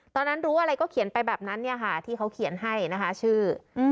ตอนนั้นรู้อะไรก็เขียนไปแบบนั้นที่เขาเขียนให้นะคะชื่อ